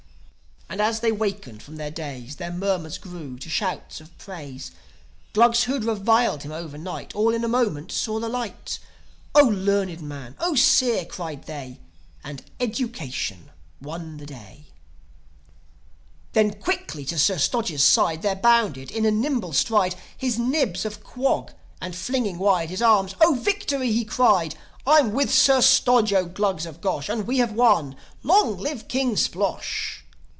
And, as they wakened from their daze, Their murmurs grew to shouts of praise. Glugs who'd reviled him overnight All in a moment saw the light. "O learned man! 0 seer!" cried they. ... And education won the day. Then, quickly to Sir Stodge's side There bounded, in a single stride, His Nibs of Quog; and flinging wide His arms, "O victory!" he cried. "I'm with Sir Stodge, 0 Glugs of Gosh! And we have won! Long live King Splosh!"